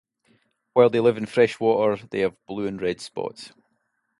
While they live in fresh water, they have blue and red spots.